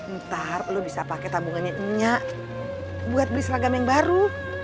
ntar lu bisa pakai tabungannya enya buat beli seragam yang baru